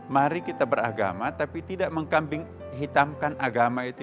mari kita beragama tapi tidak mengkambing hitamkan agama itu